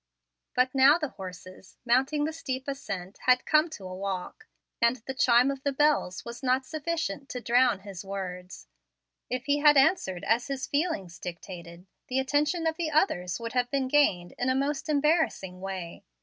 But now the horses, mounting the steep ascent, had come to a walk, and the chime of the bells was not sufficient to drown his words. If he had answered as his feelings dictated, the attention of the others would have been gained in a most embarrassing way.